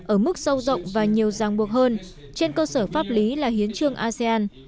ở mức sâu rộng và nhiều giang buộc hơn trên cơ sở pháp lý là hiến trương asean